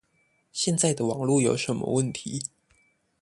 現在的網路有什麼問題